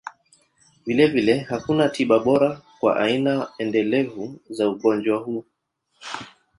Vilevile, hakuna tiba bora kwa aina endelevu za ugonjwa huu.